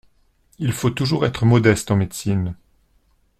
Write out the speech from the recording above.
Il faut toujours être modeste en médecine.